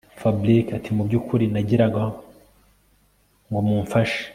Fabric atimubyukuri nagiraga ngo mumfashe